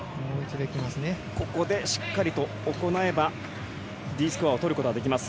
ここでしっかりと行えばＤスコアをとることはできます。